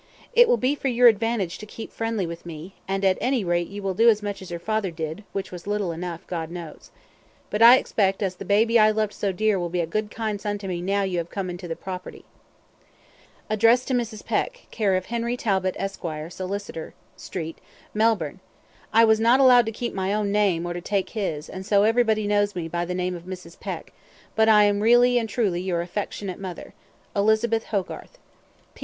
It will be for your advantage to keep friendly with me, and at any rate you will do as much as your father did, which was little enuf, God knows. But I expect as the baby that I loved so dear will be a good kind son to me now you have come into the property. "Address to Mrs. Peck, care of Henry Talbot, Esq., solicitor, Street, Melbourne. I was not allowed to keep my own name or to take his, and so everybody knows me by the name of Mrs. Peck, but I am really and truly your afexionate mother. "Elizabeth Hogarth."